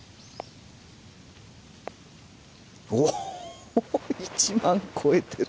おっ１万超えてる！